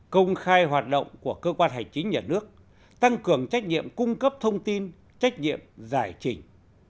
công khai hoạt động của cơ quan hành chính nhà nước tăng cường trách nhiệm cung cấp thông tin trách nhiệm giải trình